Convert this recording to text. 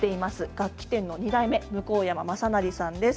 楽器店の２代目向山正成さんです。